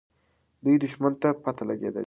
دوی دښمن ته پته لګولې.